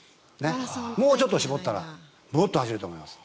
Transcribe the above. もうちょっと絞ったらもっと走れると思います。